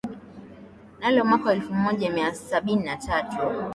nalo mwaka wa elfumoja miatisa sabini na tatu